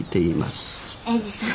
英治さん。